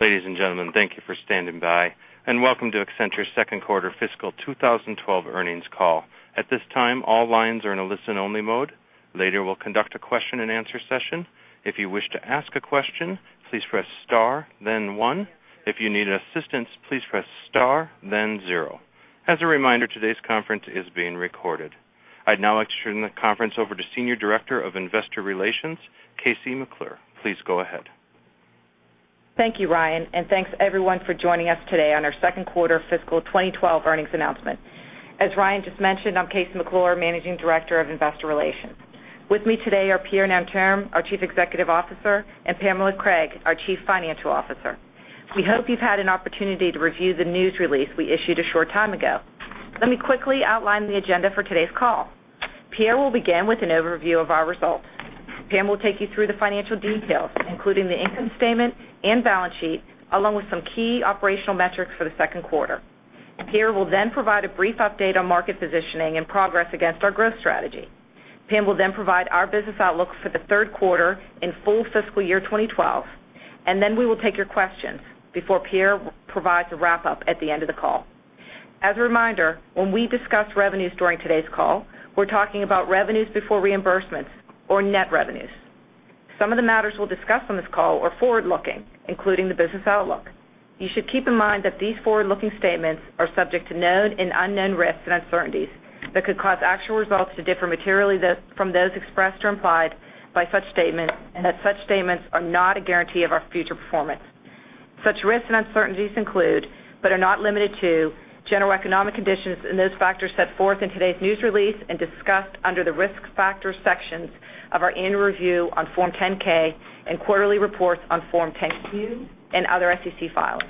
Ladies and gentlemen, thank you for standing by and welcome to Accenture's Second Quarter Fiscal 2012 Earnings Call. At this time, all lines are in a listen-only mode. Later, we'll conduct a question and answer session. If you wish to ask a question, please press star, then one. If you need assistance, please press star, then zero. As a reminder, today's conference is being recorded. I'd now like to turn the conference over to Senior Director of Investor Relations, KC McClure. Please go ahead. Thank you, Ryan, and thanks everyone for joining us today on our second quarter fiscal 2012 earnings announcement. As Ryan just mentioned, I'm KC McClure, Managing Director of Investor Relations. With me today are Pierre Nanterme, our Chief Executive Officer, and Pamela Craig, our Chief Financial Officer. We hope you've had an opportunity to review the news release we issued a short time ago. Let me quickly outline the agenda for today's call. Pierre will begin with an overview of our results. Pam will take you through the financial details, including the income statement and balance sheet, along with some key operational metrics for the second quarter. Pierre will then provide a brief update on market positioning and progress against our growth strategy. Pam will then provide our business outlook for the third quarter and full fiscal year 2012. We will take your questions before Pierre provides a wrap-up at the end of the call. As a reminder, when we discuss revenues during today's call, we're talking about revenues before reimbursements or net revenues. Some of the matters we'll discuss on this call are forward-looking, including the business outlook. You should keep in mind that these forward-looking statements are subject to known and unknown risks and uncertainties that could cause actual results to differ materially from those expressed or implied by such statements, and that such statements are not a guarantee of our future performance. Such risks and uncertainties include, but are not limited to, general economic conditions and those factors set forth in today's news release and discussed under the risk factors sections of our annual review on Form 10-K and quarterly reports on Form 10-Q and other SEC files.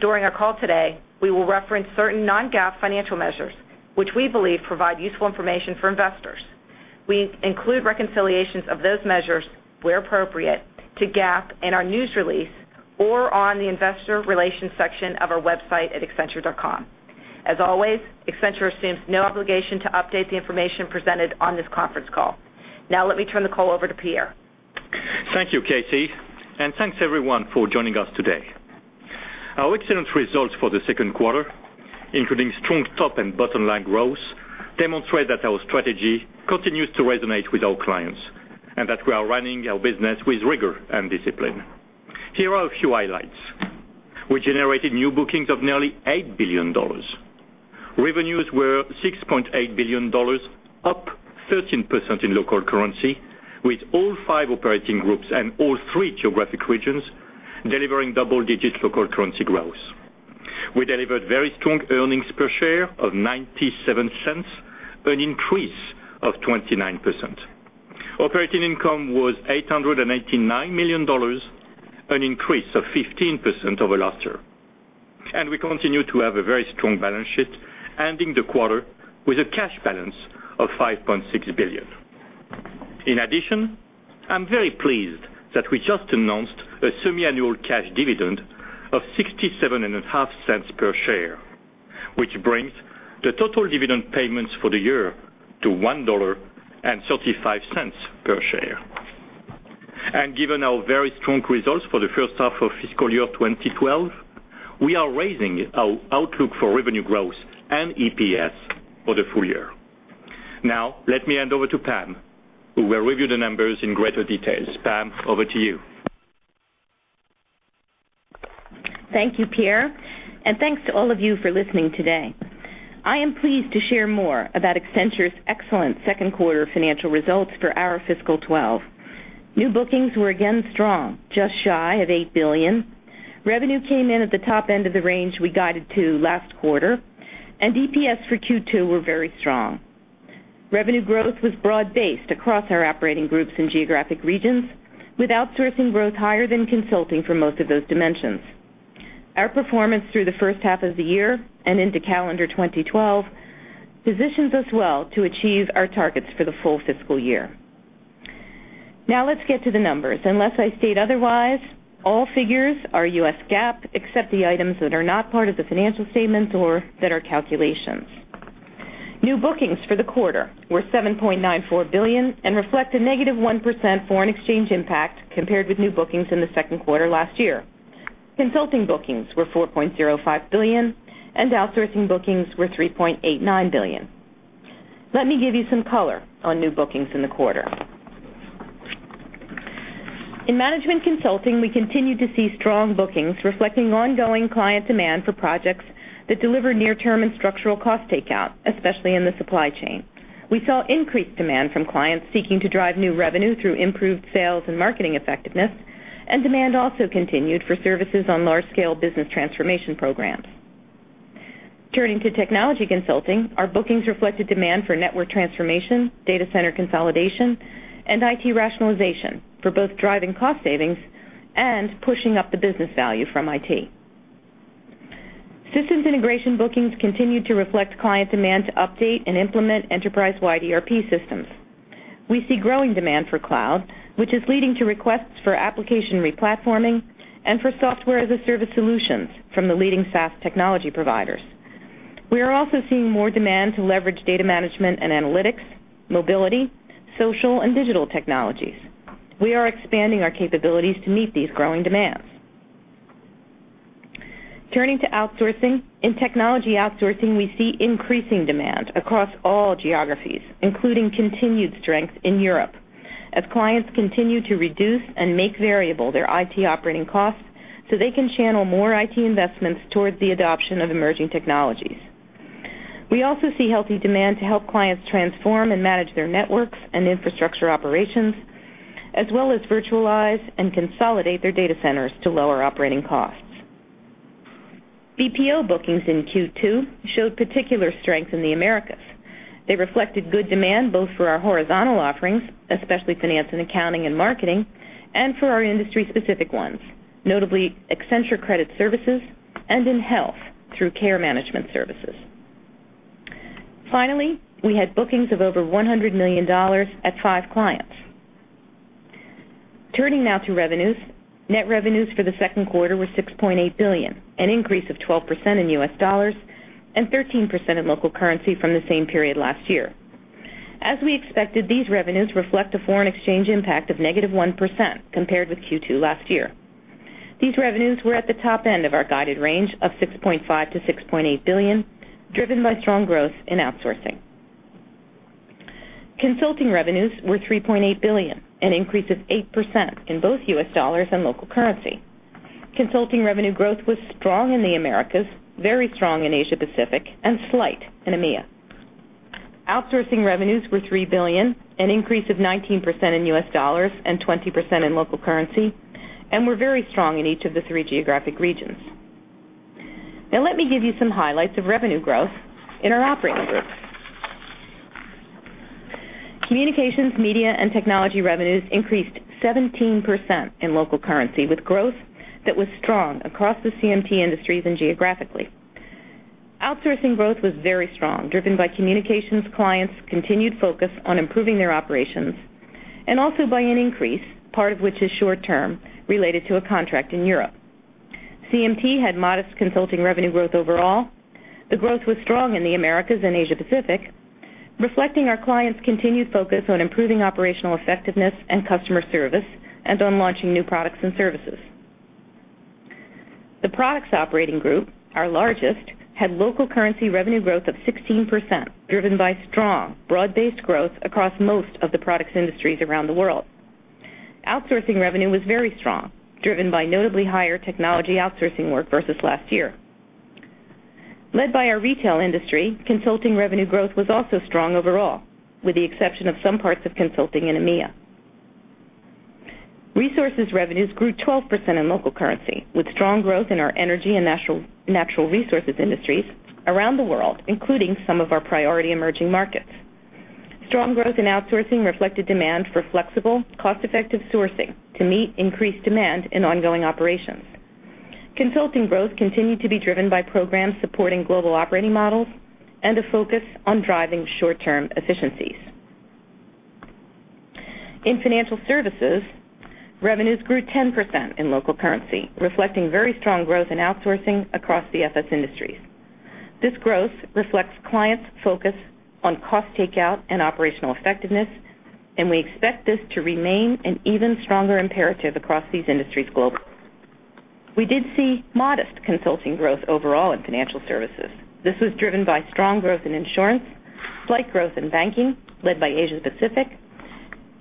During our call today, we will reference certain non-GAAP financial measures, which we believe provide useful information for investors. We include reconciliations of those measures, where appropriate, to GAAP in our news release or on the Investor Relations section of our website at accenture.com. As always, Accenture assumes no obligation to update the information presented on this conference call. Now, let me turn the call over to Pierre. Thank you, KC, and thanks everyone for joining us today. Our excellent results for the second quarter, including strong top and bottom line growth, demonstrate that our strategy continues to resonate with our clients and that we are running our business with rigor and discipline. Here are a few highlights. We generated new bookings of nearly $8 billion. Revenues were $6.8 billion, up 13% in local currency, with all five operating groups and all three geographic regions delivering double-digit local currency growth. We delivered very strong earnings per share of $0.97, an increase of 29%. Operating income was $889 million, an increase of 15% over last year. We continue to have a very strong balance sheet ending the quarter with a cash balance of $5.6 billion. In addition, I'm very pleased that we just announced a semiannual cash dividend of $0.6750 per share, which brings the total dividend payments for the year to $1.35 per share. Given our very strong results for the first half of fiscal year 2012, we are raising our outlook for revenue growth and EPS for the full year. Now, let me hand over to Pam, who will review the numbers in greater detail. Pam, over to you. Thank you, Pierre, and thanks to all of you for listening today. I am pleased to share more about Accenture's excellent second quarter financial results for our fiscal 2012. New bookings were again strong, just shy of $8 billion. Revenue came in at the top end of the range we guided to last quarter, and EPS for Q2 were very strong. Revenue growth was broad-based across our operating groups and geographic regions, with outsourcing growth higher than consulting for most of those dimensions. Our performance through the first half of the year and into calendar 2012 positions us well to achieve our targets for the full fiscal year. Now, let's get to the numbers. Unless I state otherwise, all figures are U.S. GAAP except the items that are not part of the financial statements or that are calculations. New bookings for the quarter were $7.94 billion and reflect a -1% foreign exchange impact compared with new bookings in the second quarter last year. Consulting bookings were $4.05 billion, and outsourcing bookings were $3.89 billion. Let me give you some color on new bookings in the quarter. In management consulting, we continue to see strong bookings reflecting ongoing client demand for projects that deliver near-term and structural cost takeout, especially in the supply chain. We saw increased demand from clients seeking to drive new revenue through improved sales and marketing effectiveness, and demand also continued for services on large-scale business transformation programs. Turning to technology consulting, our bookings reflected demand for network transformation, data center consolidation, and IT rationalization for both driving cost savings and pushing up the business value from IT. Systems integration bookings continued to reflect client demand to update and implement enterprise-wide ERP systems. We see growing demand for cloud, which is leading to requests for application replatforming and for software as a service solutions from the leading SaaS technology providers. We are also seeing more demand to leverage data management and analytics, mobility, social, and digital technologies. We are expanding our capabilities to meet these growing demands. Turning to outsourcing, in technology outsourcing, we see increasing demand across all geographies, including continued strength in Europe, as clients continue to reduce and make variable their IT operating costs so they can channel more IT investments towards the adoption of emerging technologies. We also see healthy demand to help clients transform and manage their networks and infrastructure operations, as well as virtualize and consolidate their data centers to lower operating costs. BPO bookings in Q2 showed particular strength in the Americas. They reflected good demand both for our horizontal offerings, especially finance and accounting and marketing, and for our industry-specific ones, notably Accenture Credit Services and in health through care management services. Finally, we had bookings of over $100 million at five clients. Turning now to revenues, net revenues for the second quarter were $6.8 billion, an increase of 12% in U.S. dollars and 13% in local currency from the same period last year. As we expected, these revenues reflect a foreign exchange impact of -1% compared with Q2 last year. These revenues were at the top end of our guided range of $6.5 billion-$6.8 billion, driven by strong growth in outsourcing. Consulting revenues were $3.8 billion, an increase of 8% in both U.S. dollars and local currency. Consulting revenue growth was strong in the Americas, very strong in Asia-Pacific, and slight in EMEA. Outsourcing revenues were $3 billion, an increase of 19% in U.S. dollars and 20% in local currency, and were very strong in each of the three geographic regions. Now, let me give you some highlights of revenue growth in our operating group. Communications, media, and technology revenues increased 17% in local currency with growth that was strong across the CMT industries and geographically. Outsourcing growth was very strong, driven by communications clients' continued focus on improving their operations, and also by an increase, part of which is short-term, related to a contract in Europe. CMT had modest consulting revenue growth overall. The growth was strong in the Americas and Asia-Pacific, reflecting our clients' continued focus on improving operational effectiveness and customer service and on launching new products and services. The products operating group, our largest, had local currency revenue growth of 16%, driven by strong broad-based growth across most of the products industries around the world. Outsourcing revenue was very strong, driven by notably higher technology outsourcing work versus last year. Led by our retail industry, consulting revenue growth was also strong overall, with the exception of some parts of consulting in EMEA. Resources revenues grew 12% in local currency, with strong growth in our energy and natural resources industries around the world, including some of our priority emerging markets. Strong growth in outsourcing reflected demand for flexible, cost-effective sourcing to meet increased demand in ongoing operations. Consulting growth continued to be driven by programs supporting global operating models and a focus on driving short-term efficiencies. In financial services, revenues grew 10% in local currency, reflecting very strong growth in outsourcing across the FS industries. This growth reflects clients' focus on cost takeout and operational effectiveness, and we expect this to remain an even stronger imperative across these industries globally. We did see modest consulting growth overall in financial services. This was driven by strong growth in insurance, slight growth in banking, led by Asia-Pacific,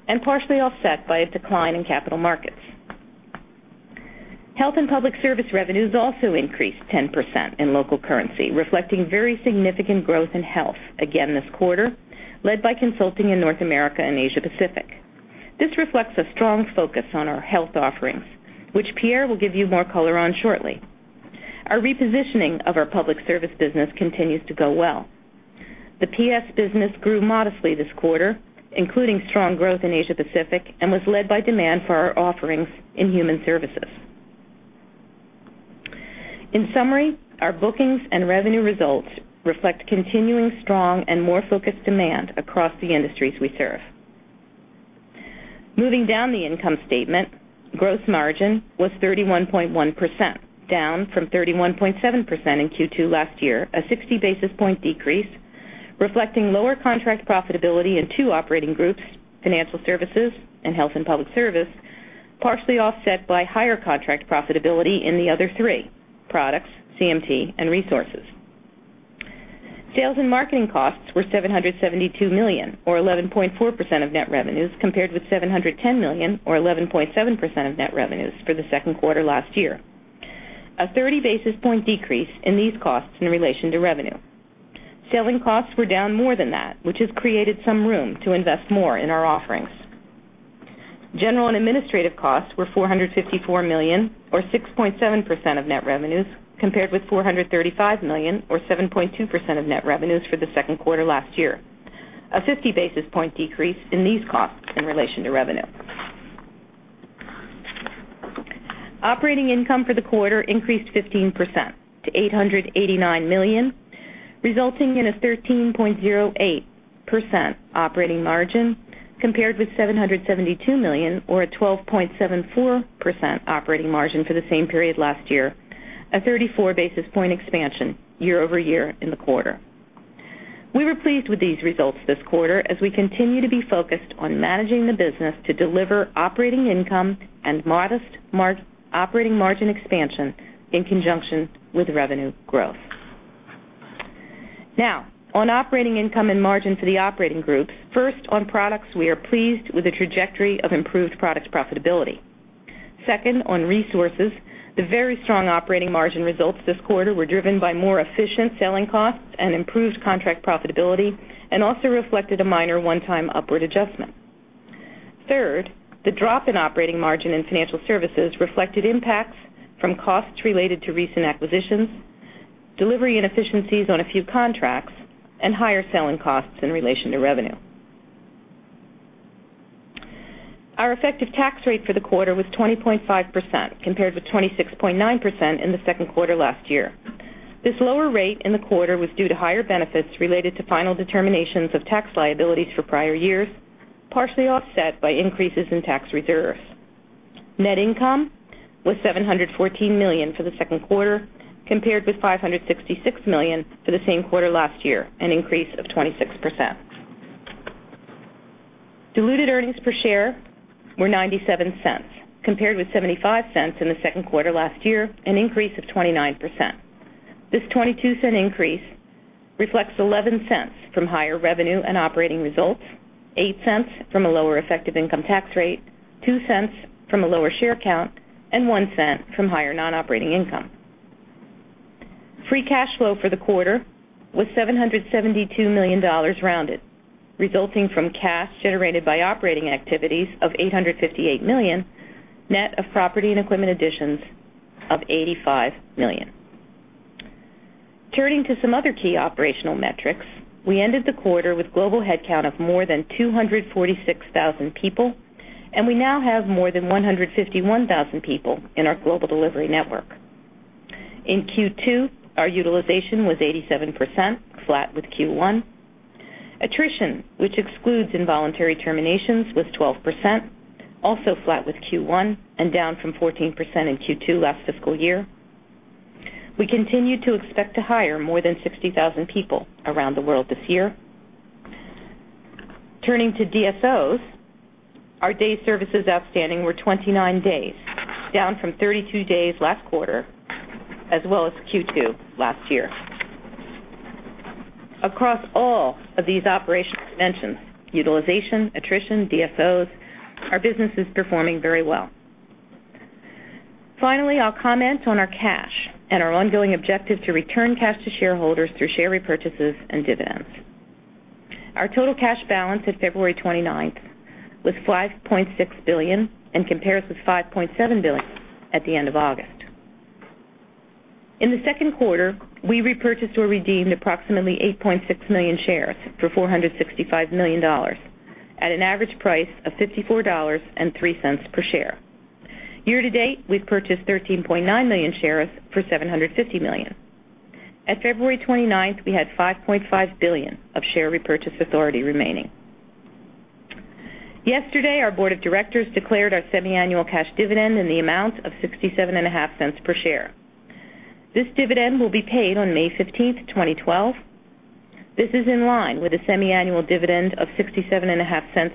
and partially offset by a decline in capital markets. Health and public service revenues also increased 10% in local currency, reflecting very significant growth in health again this quarter, led by consulting in North America and Asia-Pacific. This reflects a strong focus on our health offerings, which Pierre Nanterme will give you more color on shortly. Our repositioning of our public service business continues to go well. The PS business grew modestly this quarter, including strong growth in Asia-Pacific, and was led by demand for our offerings in human services. In summary, our bookings and revenue results reflect continuing strong and more focused demand across the industries we serve. Moving down the income statement, gross margin was 31.1%, down from 31.7% in Q2 last year, a 60 basis point decrease, reflecting lower contract profitability in two operating groups, financial services and health and public service, partially offset by higher contract profitability in the other three, products, CMT, and resources. Sales and marketing costs were $772 million, or 11.4% of net revenues, compared with $710 million, or 11.7% of net revenues for the second quarter last year, a 30 basis point decrease in these costs in relation to revenue. Selling costs were down more than that, which has created some room to invest more in our offerings. General and administrative costs were $454 million, or 6.7% of net revenues, compared with $435 million, or 7.2% of net revenues for the second quarter last year, a 50 basis point decrease in these costs in relation to revenue. Operating income for the quarter increased 15% to $889 million, resulting in a 13.08% operating margin compared with $772 million, or a 12.74% operating margin for the same period last year, a 34 basis point expansion year over year in the quarter. We were pleased with these results this quarter as we continue to be focused on managing the business to deliver operating income and modest operating margin expansion in conjunction with revenue growth. Now, on operating income and margin for the operating groups, first on products, we are pleased with the trajectory of improved product profitability. Second, on resources, the very strong operating margin results this quarter were driven by more efficient selling costs and improved contract profitability, and also reflected a minor one-time upward adjustment. Third, the drop in operating margin in financial services reflected impacts from costs related to recent acquisitions, delivery inefficiencies on a few contracts, and higher selling costs in relation to revenue. Our effective tax rate for the quarter was 20.5% compared with 26.9% in the second quarter last year. This lower rate in the quarter was due to higher benefits related to final determinations of tax liabilities for prior years, partially offset by increases in tax reserves. Net income was $714 million for the second quarter, compared with $566 million for the same quarter last year, an increase of 26%. Diluted earnings per share were $0.97, compared with $0.75 in the second quarter last year, an increase of 29%. This $0.22 increase reflects $0.11 from higher revenue and operating results, $0.08 from a lower effective income tax rate, $0.02 from a lower share count, and $0.01 from higher non-operating income. Free cash flow for the quarter was $772 million rounded, resulting from cash generated by operating activities of $858 million, net of property and equipment additions of $85 million. Turning to some other key operational metrics, we ended the quarter with a global headcount of more than 246,000 people, and we now have more than 151,000 people in our global delivery network. In Q2, our utilization was 87%, flat with Q1. Attrition, which excludes involuntary terminations, was 12%, also flat with Q1, and down from 14% in Q2 last fiscal year. We continue to expect to hire more than 60,000 people around the world this year. Turning to DSOs, our day services outstanding were 29 days, down from 32 days last quarter, as well as Q2 last year. Across all of these operations dimensions, utilization, attrition, DSOs, our business is performing very well. Finally, I'll comment on our cash and our ongoing objective to return cash to shareholders through share repurchases and dividends. Our total cash balance at February 29 was $5.6 billion and compares with $5.7 billion at the end of August. In the second quarter, we repurchased or redeemed approximately 8.6 million shares for $465 million at an average price of $54.03 per share. Year to date, we've purchased 13.9 million shares for $750 million. At February 29, we had $5.5 billion of share repurchase authority remaining. Yesterday, our board of directors declared our semiannual cash dividend in the amount of $0.6750 per share. This dividend will be paid on May 15, 2012. This is in line with the semiannual dividend of $0.6750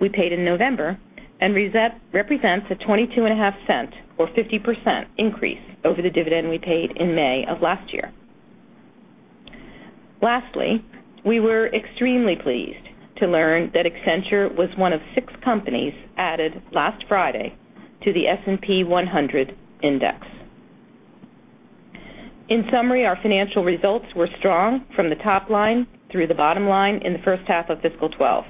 we paid in November and represents a $0.2250 or 50% increase over the dividend we paid in May of last year. Lastly, we were extremely pleased to learn that Accenture was one of six companies added last Friday to the S&P 100 index. In summary, our financial results were strong from the top line through the bottom line in the first half of fiscal 2012.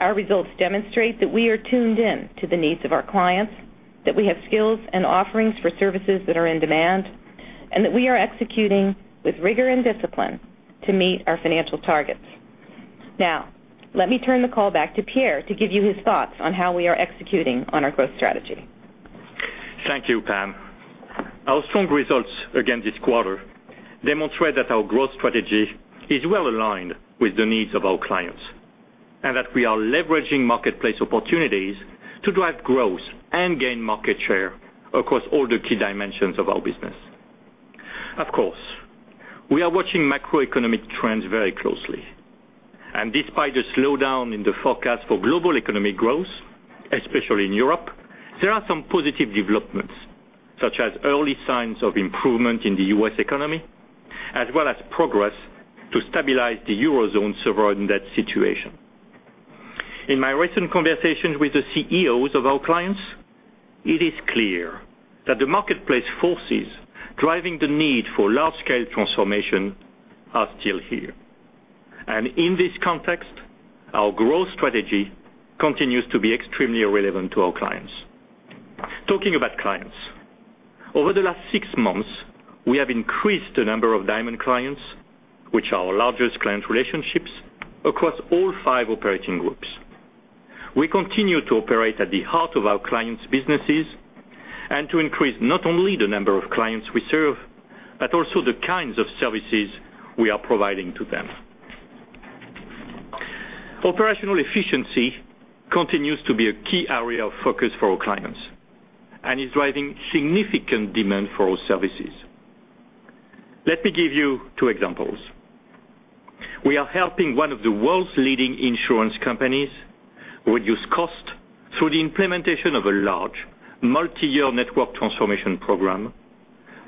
Our results demonstrate that we are tuned in to the needs of our clients, that we have skills and offerings for services that are in demand, and that we are executing with rigor and discipline to meet our financial targets. Now, let me turn the call back to Pierre to give you his thoughts on how we are executing on our growth strategy. Thank you, Pam. Our strong results again this quarter demonstrate that our growth strategy is well aligned with the needs of our clients and that we are leveraging marketplace opportunities to drive growth and gain market share across all the key dimensions of our business. We are watching macroeconomic trends very closely. Despite the slowdown in the forecast for global economic growth, especially in Europe, there are some positive developments, such as early signs of improvement in the U.S. economy, as well as progress to stabilize the eurozone's sovereign debt situation. In my recent conversations with the CEOs of our clients, it is clear that the marketplace forces driving the need for large-scale transformation are still here. In this context, our growth strategy continues to be extremely relevant to our clients. Talking about clients, over the last six months, we have increased the number of diamond clients, which are our largest client relationships across all five operating groups. We continue to operate at the heart of our clients' businesses and to increase not only the number of clients we serve, but also the kinds of services we are providing to them. Operational efficiency continues to be a key area of focus for our clients and is driving significant demand for our services. Let me give you two examples. We are helping one of the world's leading insurance companies reduce costs through the implementation of a large multi-year network transformation program,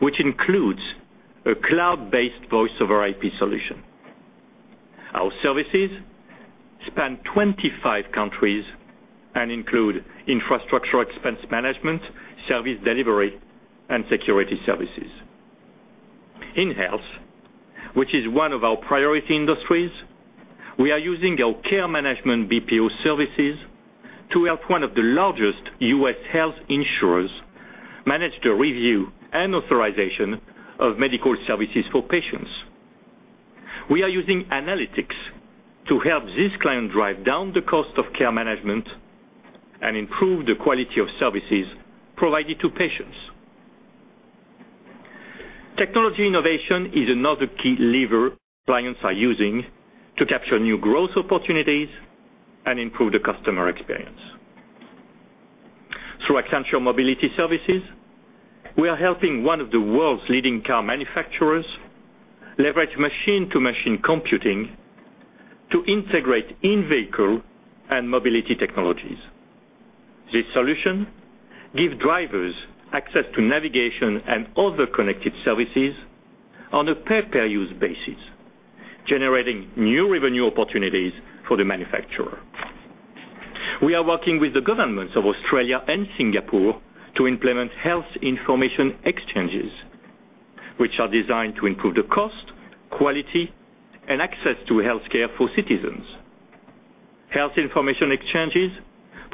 which includes a cloud-based voice over IP solution. Our services span 25 countries and include infrastructure expense management, service delivery, and security services. In health, which is one of our priority industries, we are using our care management BPO services to help one of the largest U.S. health insurers manage the review and authorization of medical services for patients. We are using analytics to help this client drive down the cost of care management and improve the quality of services provided to patients. Technology innovation is another key lever clients are using to capture new growth opportunities and improve the customer experience. Through Accenture Mobility Services, we are helping one of the world's leading car manufacturers leverage machine-to-machine computing to integrate in-vehicle and mobility technologies. This solution gives drivers access to navigation and other connected services on a pay-per-use basis, generating new revenue opportunities for the manufacturer. We are working with the governments of Australia and Singapore to implement health information exchanges, which are designed to improve the cost, quality, and access to health care for citizens. Health information exchanges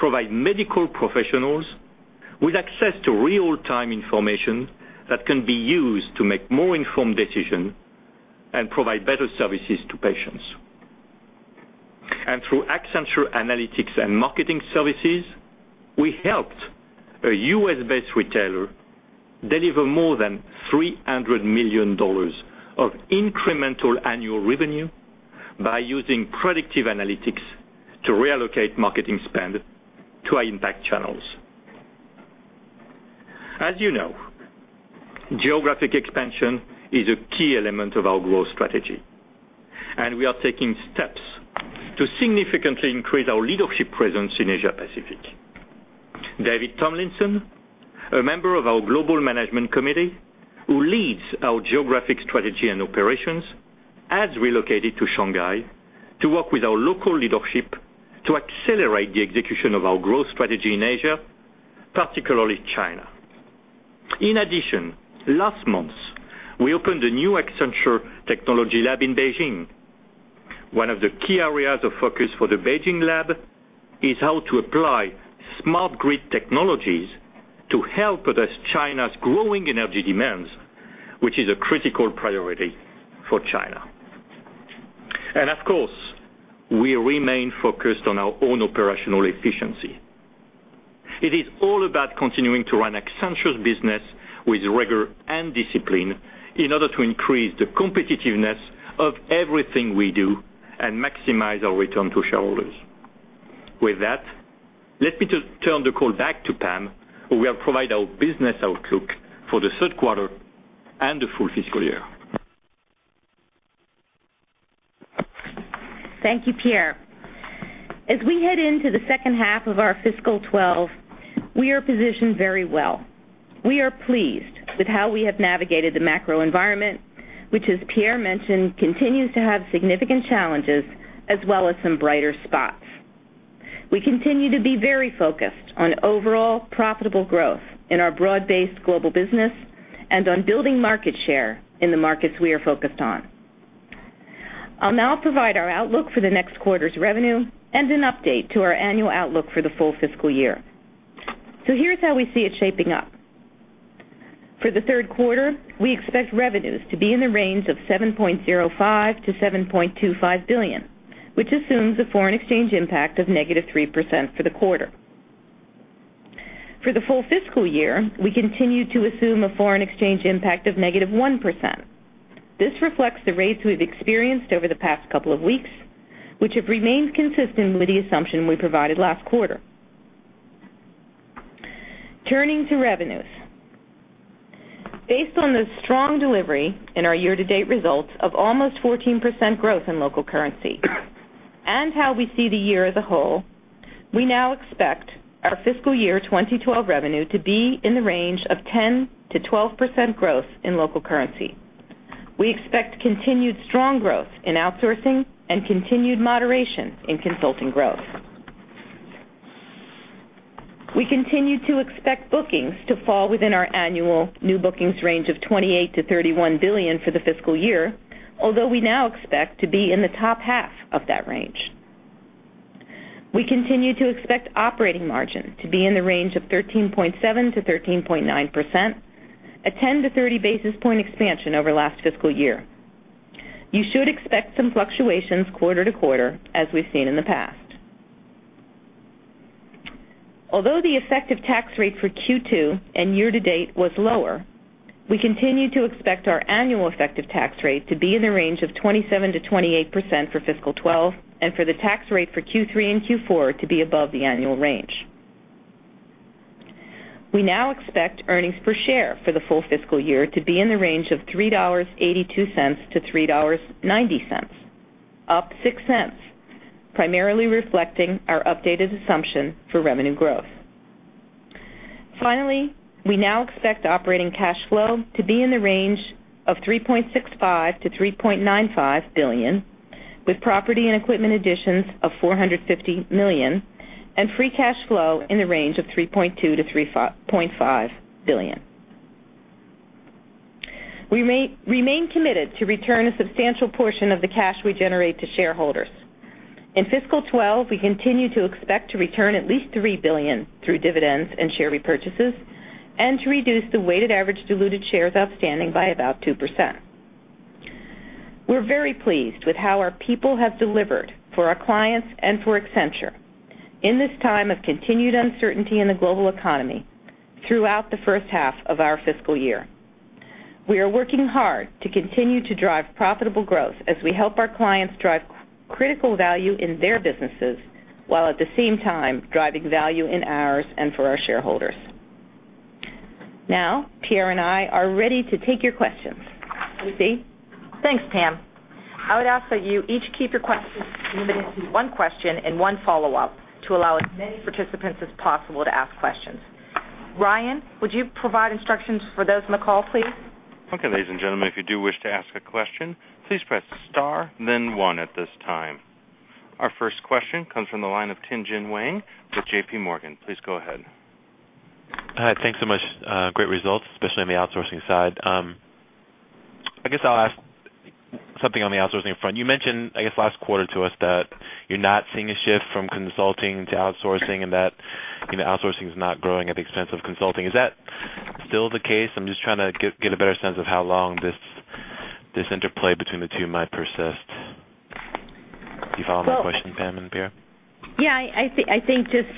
provide medical professionals with access to real-time information that can be used to make more informed decisions and provide better services to patients. Through Accenture Analytics and Marketing Services, we helped a U.S.-based retailer deliver more than $300 million of incremental annual revenue by using predictive analytics to reallocate marketing spend to high-impact channels. As you know, geographic expansion is a key element of our growth strategy, and we are taking steps to significantly increase our leadership presence in Asia-Pacific. David Tomlinson, a member of our Global Management Committee, who leads our geographic strategy and operations, has relocated to Shanghai to work with our local leadership to accelerate the execution of our growth strategy in Asia, particularly China. Last month, we opened a new Accenture Technology Lab in Beijing. One of the key areas of focus for the Beijing Lab is how to apply smart grid technologies to help address China's growing energy demands, which is a critical priority for China. We remain focused on our own operational efficiency. It is all about continuing to run Accenture's business with rigor and discipline in order to increase the competitiveness of everything we do and maximize our return to shareholders. With that, let me turn the call back to Pam, who will provide our business outlook for the third quarter and the full fiscal year. Thank you, Pierre. As we head into the second half of our fiscal 2012, we are positioned very well. We are pleased with how we have navigated the macro environment, which, as Pierre mentioned, continues to have significant challenges, as well as some brighter spots. We continue to be very focused on overall profitable growth in our broad-based global business and on building market share in the markets we are focused on. I will now provide our outlook for the next quarter's revenue and an update to our annual outlook for the full fiscal year. Here is how we see it shaping up. For the third quarter, we expect revenues to be in the range of $7.05 billion-$7.25 billion, which assumes a foreign exchange impact of -3% for the quarter. For the full fiscal year, we continue to assume a foreign exchange impact of -1%. This reflects the rates we have experienced over the past couple of weeks, which have remained consistent with the assumption we provided last quarter. Turning to revenues, based on the strong delivery in our year-to-date results of almost 14% growth in local currency and how we see the year as a whole, we now expect our fiscal year 2012 revenue to be in the range of 10%-12% growth in local currency. We expect continued strong growth in outsourcing and continued moderation in consulting growth. We continue to expect bookings to fall within our annual new bookings range of $28 billion-$31 billion for the fiscal year, although we now expect to be in the top half of that range. We continue to expect operating margin to be in the range of 13.7%-13.9%, a 10 basis points-30 basis points expansion over last fiscal year. You should expect some fluctuations quarter-to-quarter, as we have seen in the past. Although the effective tax rate for Q2 and year to date was lower, we continue to expect our annual effective tax rate to be in the range of 27%-28% for fiscal 2012 and for the tax rate for Q3 and Q4 to be above the annual range. We now expect earnings per share for the full fiscal year to be in the range of $3.82-$3.90, up $0.06, primarily reflecting our updated assumption for revenue growth. Finally, we now expect operating cash flow to be in the range of $3.65 billion-$3.95 billion, with property and equipment additions of $450 million and free cash flow in the range of $3.2 billion-$3.5 billion. We remain committed to return a substantial portion of the cash we generate to shareholders. In fiscal 2012, we continue to expect to return at least $3 billion through dividends and share repurchases and to reduce the weighted average diluted shares outstanding by about 2%. We're very pleased with how our people have delivered for our clients and for Accenture in this time of continued uncertainty in the global economy throughout the first half of our fiscal year. We are working hard to continue to drive profitable growth as we help our clients drive critical value in their businesses, while at the same time driving value in ours and for our shareholders. Now, Pierre and I are ready to take your questions. KC? Thanks, Pam. I would ask that you each keep your questions limited to one question and one follow-up to allow as many participants as possible to ask questions. Ryan, would you provide instructions for those on the call, please? Okay, ladies and gentlemen, if you do wish to ask a question, please press star, then one at this time. Our first question comes from the line of Tien-Tsin Huang at JPMorgan. Please go ahead. Hi, thanks so much. Great results, especially on the outsourcing side. I guess I'll ask something on the outsourcing front. You mentioned last quarter to us that you're not seeing a shift from consulting to outsourcing and that outsourcing is not growing at the expense of consulting. Is that still the case? I'm just trying to get a better sense of how long this interplay between the two might persist. Do you follow my question, Pamela and Pierre? Yeah, I think just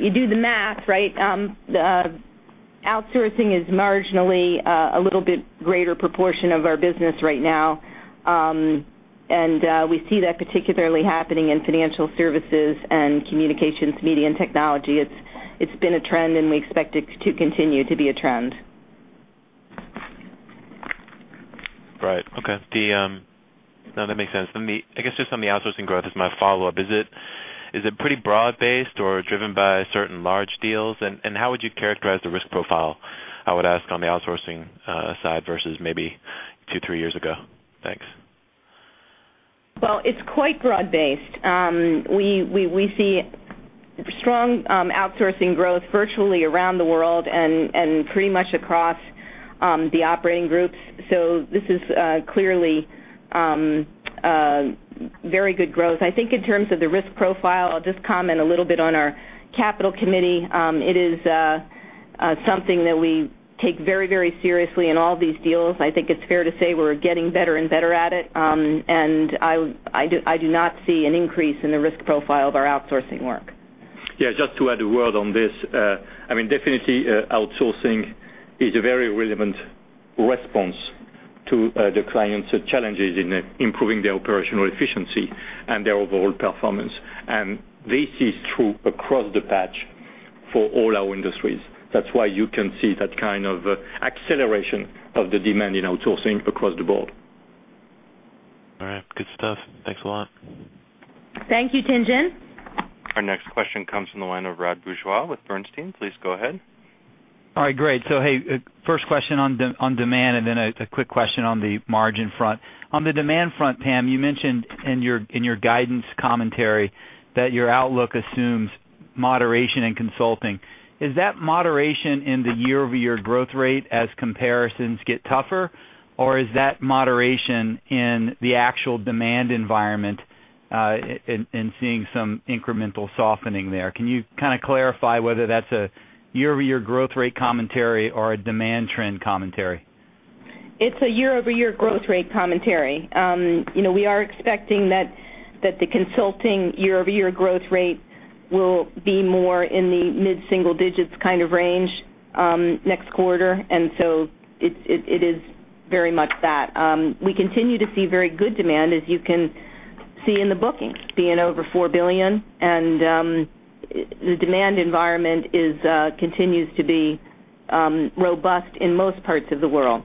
you do the math, right? Outsourcing is marginally a little bit greater proportion of our business right now. We see that particularly happening in financial services and communications, media, and technology. It's been a trend, and we expect it to continue to be a trend. Right, okay. No, that makes sense. I guess just on the outsourcing growth, as my follow-up, is it pretty broad-based or driven by certain large deals? How would you characterize the risk profile, I would ask, on the outsourcing side versus maybe two, three years ago? Thanks? It is quite broad-based. We see strong outsourcing growth virtually around the world and pretty much across the operating groups. This is clearly very good growth. I think in terms of the risk profile, I'll just comment a little bit on our capital committee. It is something that we take very, very seriously in all these deals. I think it's fair to say we're getting better and better at it. I do not see an increase in the risk profile of our outsourcing work. Yeah, just to add a word on this, I mean, definitely outsourcing is a very relevant response to the clients' challenges in improving their operational efficiency and their overall performance. This is true across the patch for all our industries. That's why you can see that kind of acceleration of the demand in outsourcing across the board. All right, good stuff. Thanks a lot. Thank you, Tien-Tsin. Our next question comes from the line of Rod Bourgeois with Bernstein. Please go ahead. All right, great. First question on demand and then a quick question on the margin front. On the demand front, Pam, you mentioned in your guidance commentary that your outlook assumes moderation in consulting. Is that moderation in the year-over-year growth rate as comparisons get tougher, or is that moderation in the actual demand environment and seeing some incremental softening there? Can you kind of clarify whether that's a year-over-year growth rate commentary or a demand trend commentary? It's a year-over-year growth rate commentary. We are expecting that the consulting year-over-year growth rate will be more in the mid-single-digits kind of range next quarter. It is very much that. We continue to see very good demand, as you can see in the bookings, being over $4 billion. The demand environment continues to be robust in most parts of the world.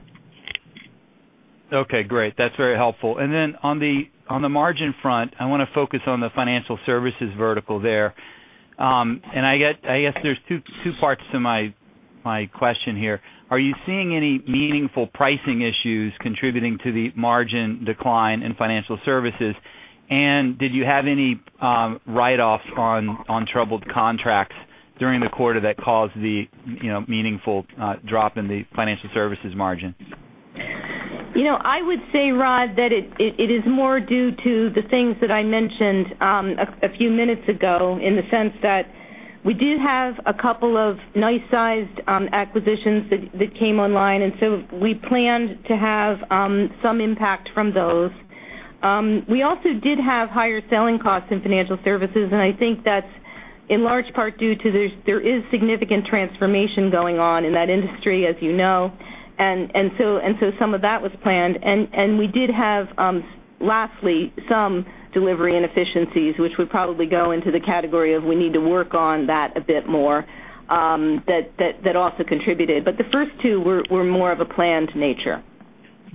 Okay, great. That's very helpful. On the margin front, I want to focus on the financial services vertical there. I guess there's two parts to my question here. Are you seeing any meaningful pricing issues contributing to the margin decline in financial services? Did you have any write-offs on troubled contracts during the quarter that caused the meaningful drop in the financial services margins? I would say, Rod, that it is more due to the things that I mentioned a few minutes ago in the sense that we did have a couple of nice-sized acquisitions that came online. We planned to have some impact from those. We also did have higher selling costs in financial services. I think that's in large part due to there is significant transformation going on in that industry, as you know. Some of that was planned. We did have, lastly, some delivery inefficiencies, which would probably go into the category of we need to work on that a bit more, that also contributed. The first two were more of a planned nature.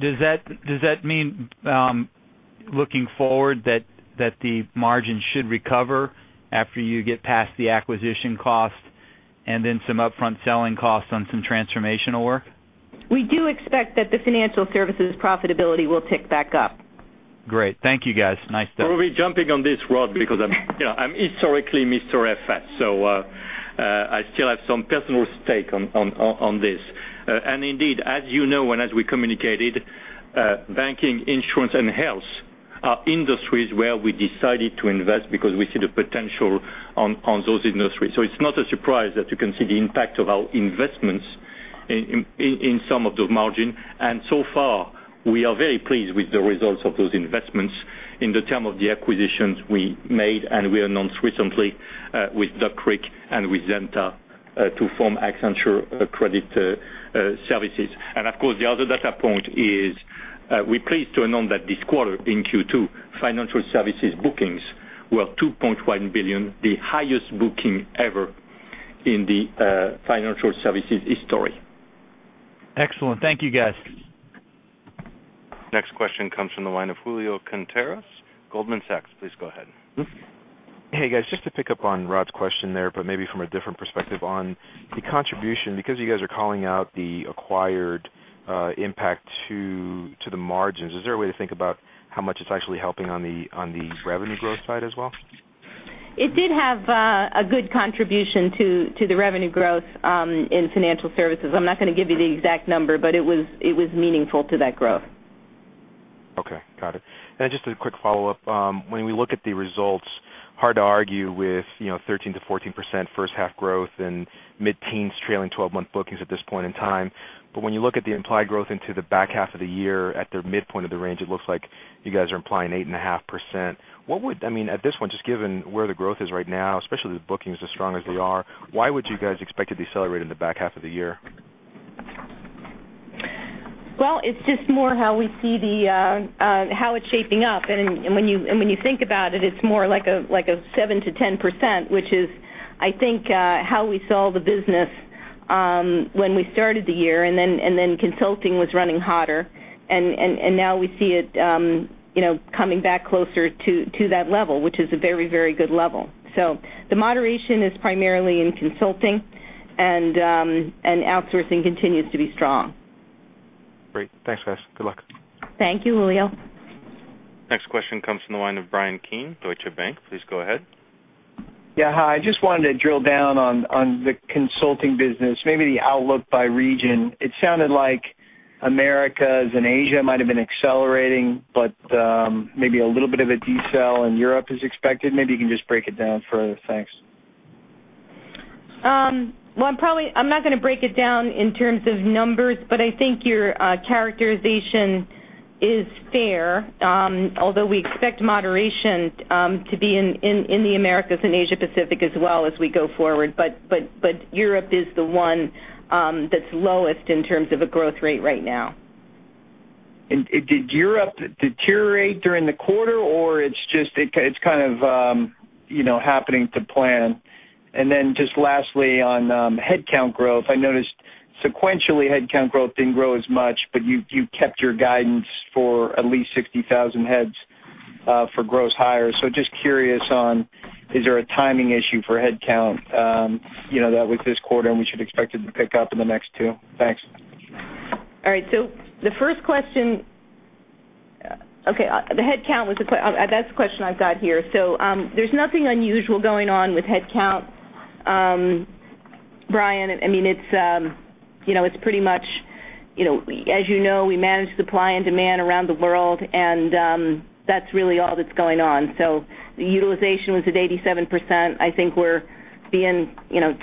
Does that mean, looking forward, that the margin should recover after you get past the acquisition cost and then some upfront selling costs on some transformational work? We do expect that the financial services profitability will tick back up. Great. Thank you, guys. Nice stuff. I will be jumping on this, Rod, because I'm historically Mr. Effect. I still have some personal stake on this. Indeed, as you know, and as we communicated, banking, insurance, and health are industries where we decided to invest because we see the potential in those industries. It's not a surprise that you can see the impact of our investments in some of those margins. We are very pleased with the results of those investments in terms of the acquisitions we made and we announced recently with Duck Creek and with Zenta to form Accenture Credit Services. Of course, the other data point is we're pleased to announce that this quarter in Q2, financial services bookings were $2.1 billion, the highest booking ever in the financial services history. Excellent. Thank you, guys. Next question comes from the line of Julio Quinteros at Goldman Sachs. Please go ahead. Hey, guys, just to pick up on Rod's question there, maybe from a different perspective on the contribution, because you guys are calling out the acquired impact to the margins, is there a way to think about how much it's actually helping on the revenue growth side as well? It did have a good contribution to the revenue growth in financial services. I'm not going to give you the exact number, but it was meaningful to that growth. Okay, got it. Just a quick follow-up. When we look at the results, hard to argue with 13%-14% first half growth and mid-teens trailing 12-month bookings at this point in time. When you look at the implied growth into the back half of the year at the midpoint of the range, it looks like you guys are implying 8.5%. What would, I mean, at this point, just given where the growth is right now, especially with bookings as strong as they are, why would you guys expect it to accelerate in the back half of the year? It is just more how we see how it's shaping up. When you think about it, it's more like a 7%-10%, which is, I think, how we saw the business when we started the year. Consulting was running hotter, and now we see it coming back closer to that level, which is a very, very good level. The moderation is primarily in consulting, and outsourcing continues to be strong. Great. Thanks, guys. Good luck. Thank you, Julie. Next question comes from the line of Bryan Keane at Deutsche Bank. Please go ahead. Yeah, hi. I just wanted to drill down on the consulting business, maybe the outlook by region. It sounded like Americas and Asia-Pacific might have been accelerating, but maybe a little bit of a decel in EMEA is expected. Maybe you can just break it down further. Thanks. I'm not going to break it down in terms of numbers, but I think your characterization is fair, although we expect moderation to be in the Americas and Asia-Pacific as well as we go forward. Europe is the one that's lowest in terms of a growth rate right now. Did Europe deteriorate during the quarter, or is it just kind of happening to plan? Lastly, on headcount growth, I noticed sequentially headcount growth didn't grow as much, but you kept your guidance for at least 60,000 heads for gross hires. Just curious, is there a timing issue for headcount that with this quarter, we should expect it to pick up in the next two? Thanks. All right. The first question, the headcount, that's the question I've got here. There's nothing unusual going on with headcount. Brian, it's pretty much, as you know, we manage supply and demand around the world, and that's really all that's going on. The utilization was at 87%. I think we're being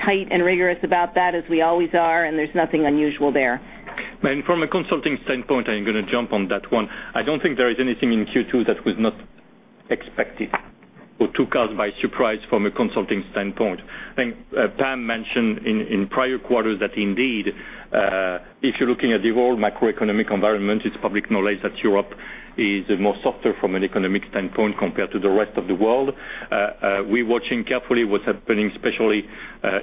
tight and rigorous about that, as we always are, and there's nothing unusual there. From a consulting standpoint, I'm going to jump on that one. I don't think there is anything in Q2 that was not expected or took us by surprise from a consulting standpoint. Pam mentioned in prior quarters that, indeed, if you're looking at the world macroeconomic environment, it's public knowledge that Europe is softer from an economic standpoint compared to the rest of the world. We're watching carefully what's happening, especially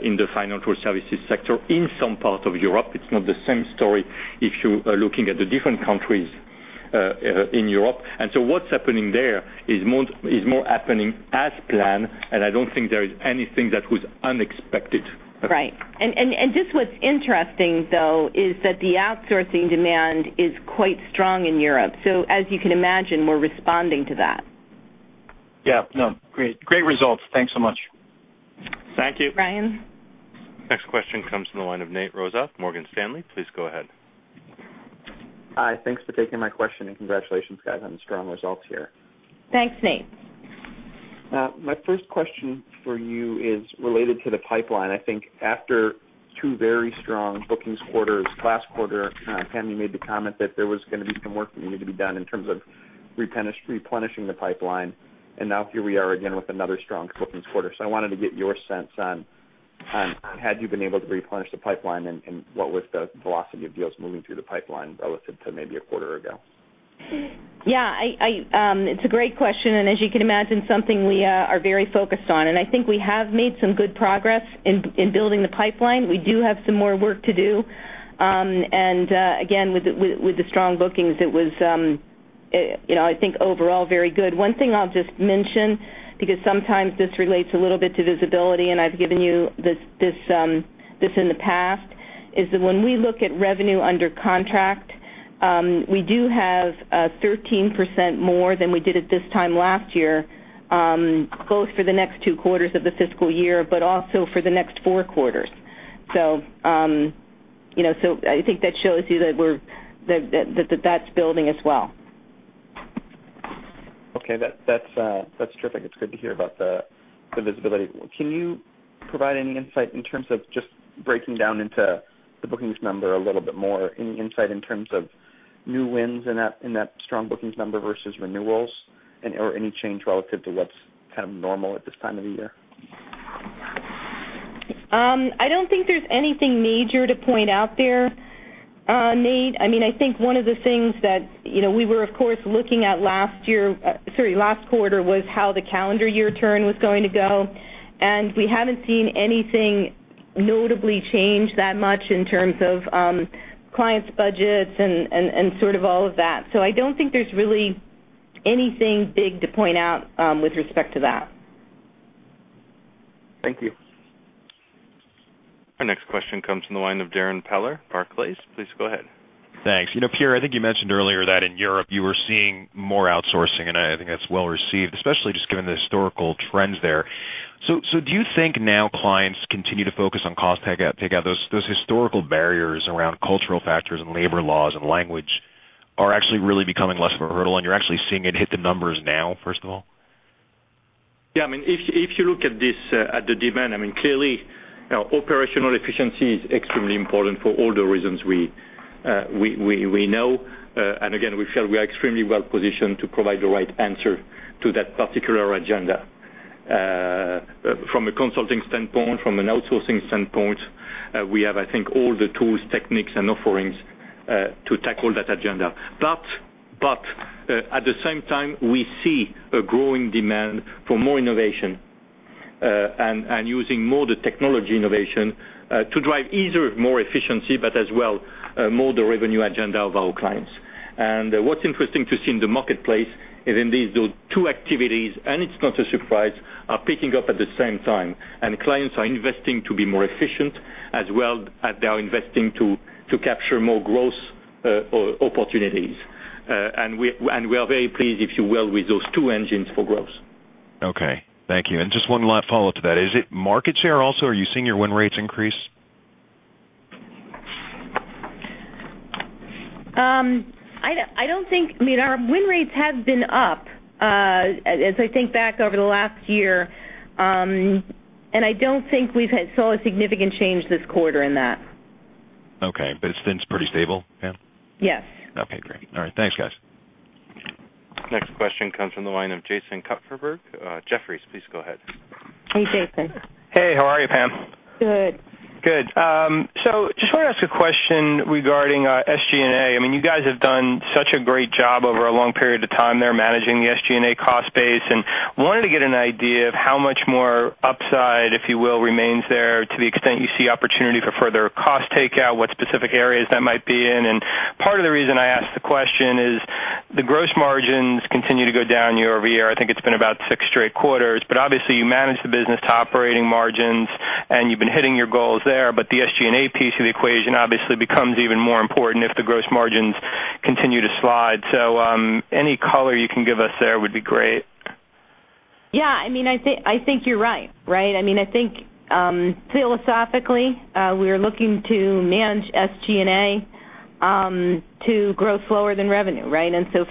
in the financial services sector in some parts of Europe. It's not the same story if you're looking at the different countries in Europe. What's happening there is more happening as planned, and I don't think there is anything that was unexpected. Right. What's interesting, though, is that the outsourcing demand is quite strong in Europe. As you can imagine, we're responding to that. Yeah, no, great results. Thanks so much. Thank you. Ryan. Next question comes from the line of Nate Rozof of Morgan Stanley. Please go ahead. Hi, thanks for taking my question, and congratulations, guys, on the strong results here. Thanks, Nate. My first question for you is related to the pipeline. I think after two very strong bookings quarters, last quarter, Pam, you made the comment that there was going to be some work that needed to be done in terms of replenishing the pipeline. Here we are again with another strong bookings quarter. I wanted to get your sense on had you been able to replenish the pipeline and what was the velocity of deals moving through the pipeline relative to maybe a quarter ago? Yeah, it's a great question. As you can imagine, something we are very focused on. I think we have made some good progress in building the pipeline. We do have some more work to do. With the strong bookings, it was, you know, I think overall very good. One thing I'll just mention, because sometimes this relates a little bit to visibility, and I've given you this in the past, is that when we look at revenue under contract, we do have 13% more than we did at this time last year, both for the next two quarters of the fiscal year, but also for the next four quarters. I think that shows you that we're that's building as well. Okay, that's terrific. It's good to hear about the visibility. Can you provide any insight in terms of just breaking down into the bookings number a little bit more? Any insight in terms of new wins in that strong bookings number versus renewals or any change relative to what's kind of normal at this time of the year? I don't think there's anything major to point out there, Nate. I think one of the things that we were, of course, looking at last year, sorry, last quarter was how the calendar year turn was going to go. We haven't seen anything notably change that much in terms of clients' budgets and sort of all of that. I don't think there's really anything big to point out with respect to that. Thank you. Our next question comes from the line of Darrin Peller of Barclays. Please go ahead. Thanks. Pierre, I think you mentioned earlier that in Europe you were seeing more outsourcing, and I think that's well received, especially just given the historical trends there. Do you think now clients continue to focus on cost takeout? Those historical barriers around cultural factors and labor laws and language are actually really becoming less of a hurdle, and you're actually seeing it hit the numbers now, first of all? Yeah, I mean, if you look at the demand, clearly, operational efficiency is extremely important for all the reasons we know. Again, we feel we are extremely well positioned to provide the right answer to that particular agenda. From a consulting standpoint, from an outsourcing standpoint, we have, I think, all the tools, techniques, and offerings to tackle that agenda. At the same time, we see a growing demand for more innovation and using more of the technology innovation to drive either more efficiency, but as well more the revenue agenda of our clients. What's interesting to see in the marketplace is these two activities, and it's not a surprise, are picking up at the same time. Clients are investing to be more efficient, as well as they are investing to capture more growth opportunities. We are very pleased, if you will, with those two engines for growth. Thank you. Just one last follow-up to that. Is it market share also? Are you seeing your win rates increase? I don't think, I mean, our win rates have been up as I think back over the last year. I don't think we saw a significant change this quarter in that. Okay, but it's been pretty stable, Pam? Yes. Okay, great. All right, thanks, guys. Next question comes from the line of Jason Kupferberg, Jefferies. Please go ahead. Hey, Jason. Hey, how are you, Pam? Good. Good. I just want to ask a question regarding SG&A. I mean, you guys have done such a great job over a long period of time there managing the SG&A cost base. I wanted to get an idea of how much more upside, if you will, remains there to the extent you see opportunity for further cost takeout, what specific areas that might be in. Part of the reason I asked the question is the gross margins continue to go down year over year. I think it's been about six straight quarters. Obviously, you manage the business to operating margins, and you've been hitting your goals there. The SG&A piece of the equation obviously becomes even more important if the gross margins continue to slide. Any color you can give us there would be great. I think you're right, right? I think philosophically, we are looking to manage SG&A to grow slower than revenue, right? That's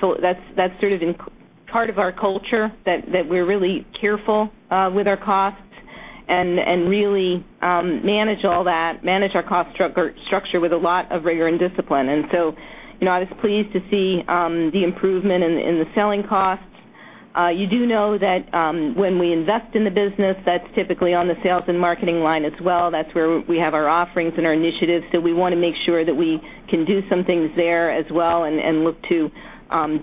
sort of part of our culture that we're really careful with our costs and really manage all that, manage our cost structure with a lot of rigor and discipline. I was pleased to see the improvement in the selling costs. You do know that when we invest in the business, that's typically on the sales and marketing line as well. That's where we have our offerings and our initiatives. We want to make sure that we can do some things there as well and look to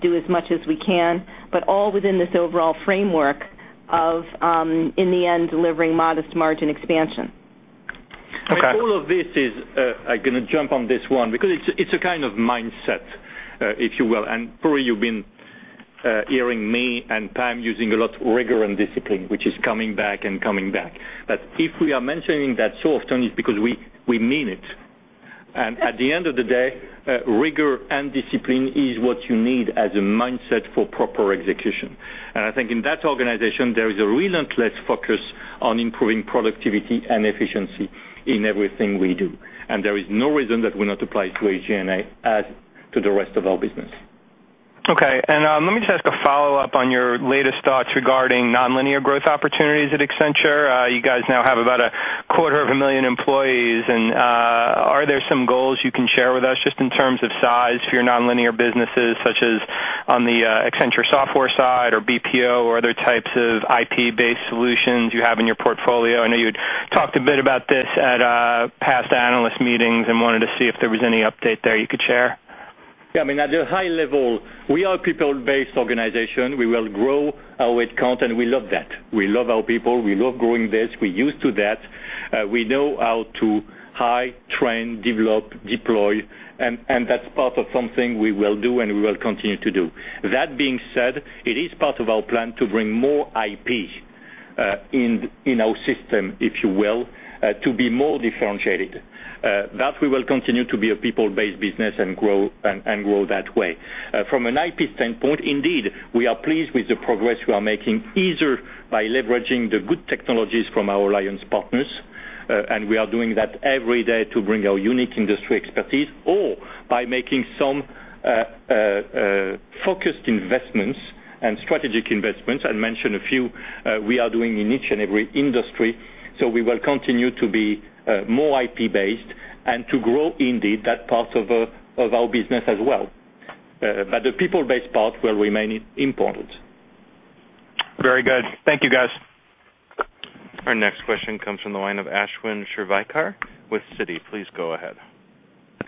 do as much as we can, all within this overall framework of, in the end, delivering modest margin expansion. I'm sure all of this is, I'm going to jump on this one because it's a kind of mindset, if you will. You've been hearing me and Pam using a lot of rigor and discipline, which is coming back and coming back. If we are mentioning that so often, it's because we mean it. At the end of the day, rigor and discipline is what you need as a mindset for proper execution. I think in that organization, there is a relentless focus on improving productivity and efficiency in everything we do. There is no reason that we not apply it to SG&A as to the rest of our business. Okay, let me just ask a follow-up on your latest thoughts regarding nonlinear growth opportunities at Accenture. You guys now have about a quarter of a million employees. Are there some goals you can share with us just in terms of size for your nonlinear businesses, such as on the Accenture software side or BPO or other types of IP-based solutions you have in your portfolio? I know you had talked a bit about this at past analyst meetings and wanted to see if there was any update there you could share. Yeah, I mean, at a high level, we are a people-based organization. We will grow our headcount, and we love that. We love our people. We love growing this. We're used to that. We know how to hire, train, develop, deploy. That's part of something we will do and we will continue to do. That being said, it is part of our plan to bring more IP in our system, if you will, to be more differentiated. We will continue to be a people-based business and grow that way. From an IP standpoint, indeed, we are pleased with the progress we are making either by leveraging the good technologies from our Alliance partners, and we are doing that every day to bring our unique industry expertise, or by making some focused investments and strategic investments, and mention a few we are doing in each and every industry. We will continue to be more IP-based and to grow indeed that part of our business as well. The people-based part will remain important. Very good. Thank you, guys. Our next question comes from the line of Ashwin Shirvakar with Citi. Please go ahead.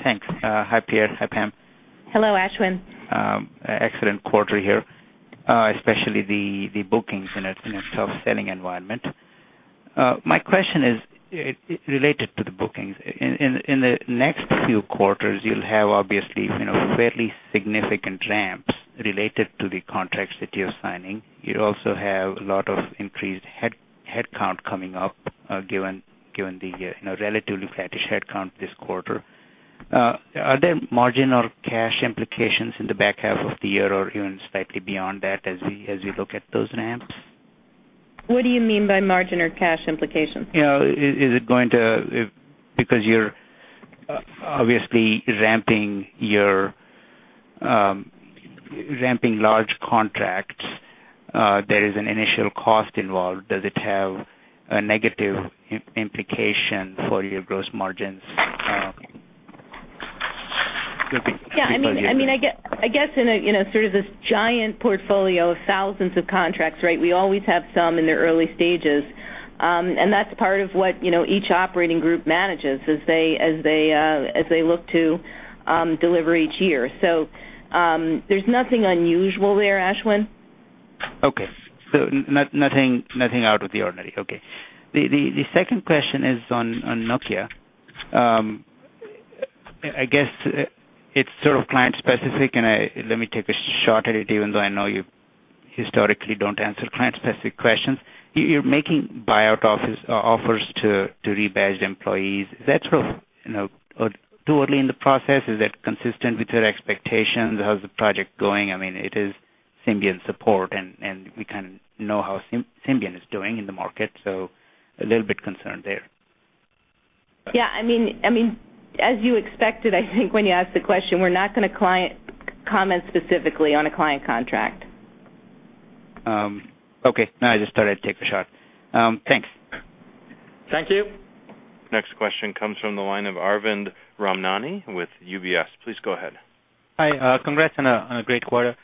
Thanks. Hi, Pierre. Hi, Pam. Hello, Ashwin. Excellent quarter here, especially the bookings in itself, selling environment. My question is related to the bookings. In the next few quarters, you'll have obviously fairly significant ramps related to the contracts that you're signing. You also have a lot of increased headcount coming up, given the relatively flat-ish headcount this quarter. Are there margin or cash implications in the back half of the year or even slightly beyond that as we look at those ramps? What do you mean by margin or cash implications? Yeah, is it going to, because you're obviously ramping large contracts, there is an initial cost involved. Does it have a negative implication for your gross margins? I mean, I guess in this giant portfolio of thousands of contracts, we always have some in their early stages. That's part of what each operating group manages as they look to deliver each year. There's nothing unusual there, Ashwin. Okay, so nothing out of the ordinary. The second question is on Nokia. I guess it's sort of client-specific, and let me take a shot at it, even though I know you historically don't answer client-specific questions. You're making buyout offers to rebadged employees. Is that sort of too early in the process? Is that consistent with your expectations? How's the project going? I mean, it is Symbian support, and we kind of know how Symbian is doing in the market. A little bit concerned there. Yeah, as you expected, I think when you asked the question, we're not going to comment specifically on a client contract. Okay, I just thought I'd take a shot. Thanks. Thank you. Next question comes from the line of Arvind Ramnani with UBS. Please go ahead. Hi, congrats on a great quarter.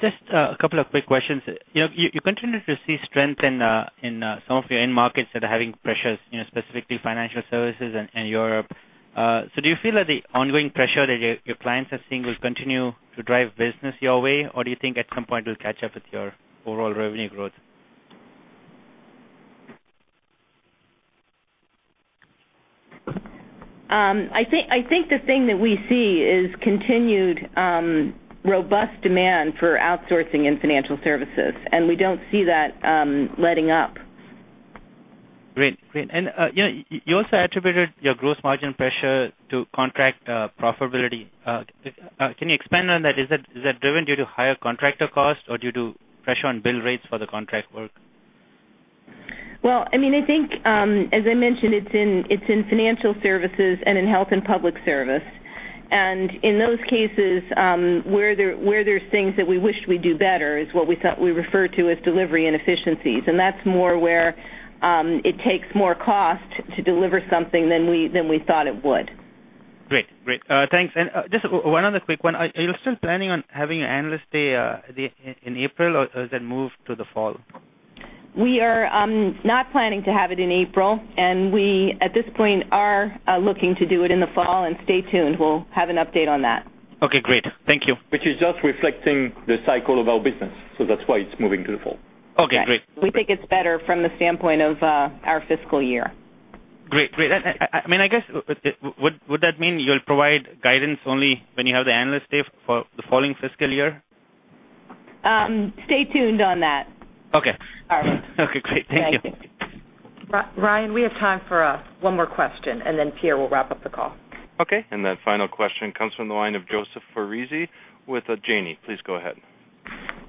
Just a couple of quick questions. You continue to see strength in some of your end markets that are having pressures, specifically financial services in Europe. Do you feel that the ongoing pressure that your clients are seeing will continue to drive business your way, or do you think at some point it will catch up with your overall revenue growth? I think the thing that we see is continued robust demand for outsourcing and financial services. We don't see that letting up. Great. You also attributed your gross margin pressure to contract profitability. Can you expand on that? Is that driven due to higher contractor cost or due to pressure on bill rates for the contract work? I think, as I mentioned, it's in financial services and in health and public service. In those cases, where there's things that we wish we do better is what we thought we refer to as delivery inefficiencies. That's more where it takes more cost to deliver something than we thought it would. Great, great. Thanks. Just one other quick one. Are you still planning on having an analyst day in April, or is that moved to the fall? We are not planning to have it in April. At this point, we are looking to do it in the fall. Stay tuned. We'll have an update on that. Okay, great. Thank you. Which is just reflecting the cycle of our business, so that's why it's moving to the fall. Okay, great. We think it's better from the standpoint of our fiscal year. Great, great. I mean, I guess, would that mean you'll provide guidance only when you have the analyst day for the following fiscal year? Stay tuned on that. Okay. All right. Okay, great. Thank you. Ryan, we have time for one more question, and then Pierre will wrap up the call. Okay, and that final question comes from the line of Joseph Foresi with Janney. Please go ahead.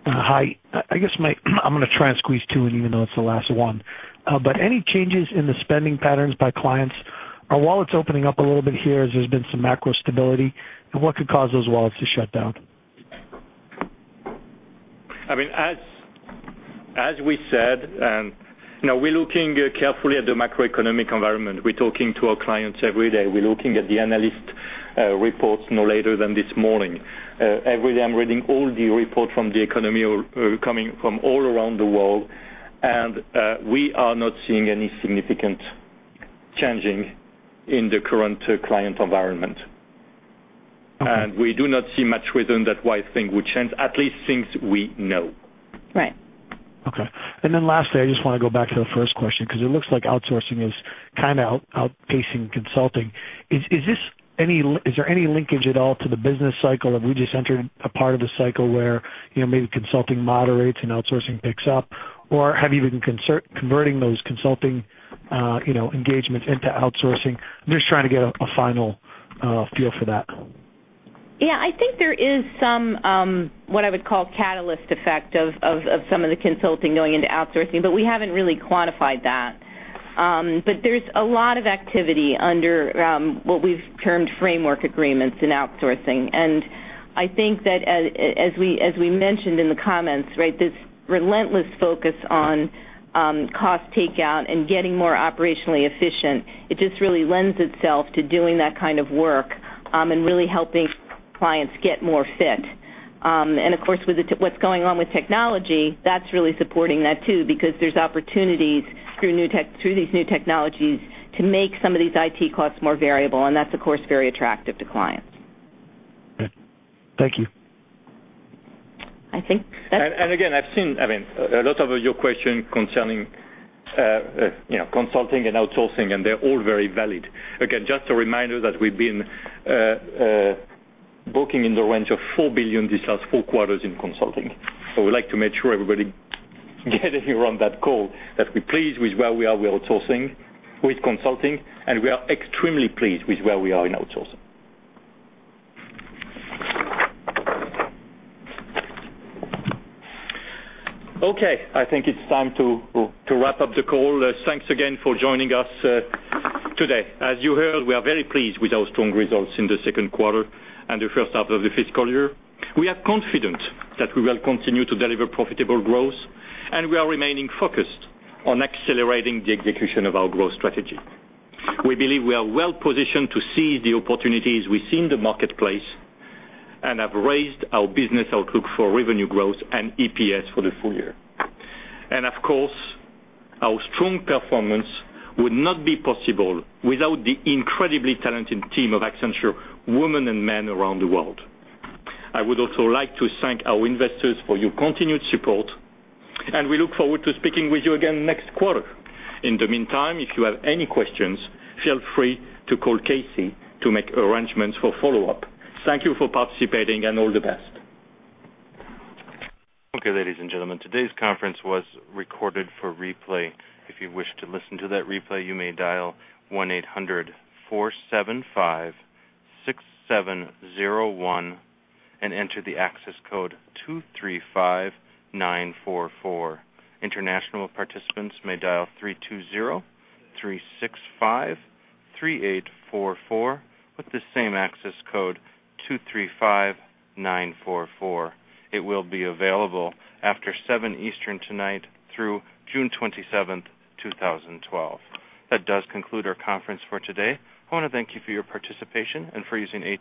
Hi, I guess I'm going to try and squeeze two in, even though it's the last one. Any changes in the spending patterns by clients? Are wallets opening up a little bit here as there's been some macro stability? What could cause those wallets to shut down? I mean, as we said, you know we're looking carefully at the macroeconomic environment. We're talking to our clients every day. We're looking at the analyst reports, no later than this morning. Every day, I'm reading all the reports from the economy coming from all around the world. We are not seeing any significant change in the current client environment. We do not see much reason that things would change, at least things we know. Right. Okay. Lastly, I just want to go back to the first question, because it looks like outsourcing is kind of outpacing consulting. Is there any linkage at all to the business cycle, or would you center a part of the cycle where maybe consulting moderates and outsourcing picks up? Have you been converting those consulting engagements into outsourcing? I'm just trying to get a final feel for that. Yeah, I think there is some, what I would call, catalyst effect of some of the consulting going into outsourcing, but we haven't really quantified that. There is a lot of activity under what we've termed framework agreements in outsourcing. I think that, as we mentioned in the comments, this relentless focus on cost takeout and getting more operationally efficient really lends itself to doing that kind of work and really helping clients get more fit. Of course, with what's going on with technology, that's really supporting that too, because there's opportunities through these new technologies to make some of these IT costs more variable. That's, of course, very attractive to clients. Thank you. I think. Again, I've seen a lot of your questions concerning consulting and outsourcing, and they're all very valid. Just a reminder that we've been booking in the range of $4 billion these last four quarters in consulting. We'd like to make sure everybody getting around that call that we're pleased with where we are with outsourcing, with consulting, and we are extremely pleased with where we are in outsourcing. I think it's time to wrap up the call. Thanks again for joining us today. As you heard, we are very pleased with our strong results in the second quarter and the first half of the fiscal year. We are confident that we will continue to deliver profitable growth, and we are remaining focused on accelerating the execution of our growth strategy. We believe we are well positioned to seize the opportunities we see in the marketplace and have raised our business outlook for revenue growth and EPS for the full year. Of course, our strong performance would not be possible without the incredibly talented team of Accenture women and men around the world. I would also like to thank our investors for your continued support. We look forward to speaking with you again next quarter. In the meantime, if you have any questions, feel free to call KC McClure to make arrangements for follow-up. Thank you for participating and all the best. Okay, ladies and gentlemen, today's conference was recorded for replay. If you wish to listen to that replay, you may dial 1-800-475-6701 and enter the access code 235944. International participants may dial 320-365-3844 with the same access code 235944. It will be available after 7:00 P.M. Eastern tonight through June 27, 2012. That does conclude our conference for today. I want to thank you for your participation and for using AT.